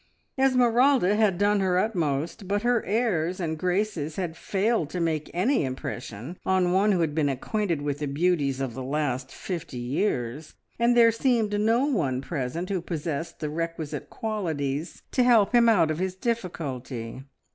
Esmeralda had done her utmost, but her airs and graces had failed to make any impression on one who had been acquainted with the beauties of the last fifty years, and there seemed no one present who possessed the requisite qualities to help him out of his difficulty.